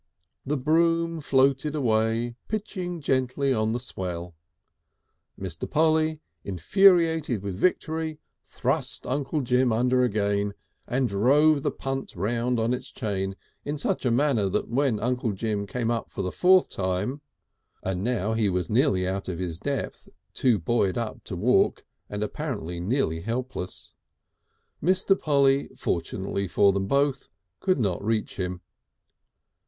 The broom floated away, pitching gently on the swell. Mr. Polly, infuriated with victory, thrust Uncle Jim under again, and drove the punt round on its chain in such a manner that when Uncle Jim came up for the fourth time and now he was nearly out of his depth, too buoyed up to walk and apparently nearly helpless, Mr. Polly, fortunately for them both, could not reach him.